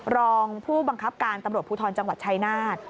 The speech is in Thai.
รองผู้บังคับการตำรวจภูทรจังหวัดชายนาฏ